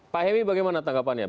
pak hemi bagaimana tanggapannya